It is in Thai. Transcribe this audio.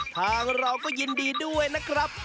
ทางเราก็ยินดีด้วยนะครับ